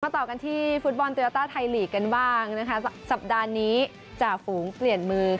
มาต่อกันที่ฟุตบอลตีเยต่อไทยหลีกสัปดาห์นี้จ่าฝูงเกลี่ยนมือ